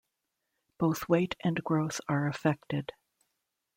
Both weight and growth are affected.